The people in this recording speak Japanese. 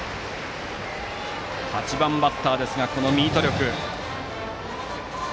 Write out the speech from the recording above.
８番バッターですがこのミート力。